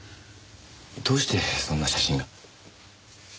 どうしてそんな写真が？